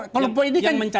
kelompok ini kan